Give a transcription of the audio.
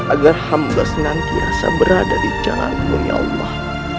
agar hamba senantiasa berada di jalanku ya allah